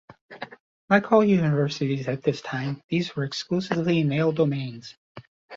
Like all universities at this time, these were exclusively male domains.